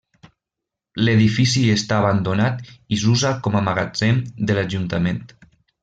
L'edifici està abandonat i s'usa com a magatzem de l'ajuntament.